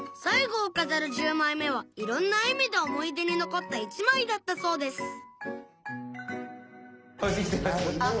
最後を飾る１０枚目は色んな意味で思い出に残った１枚だったそうです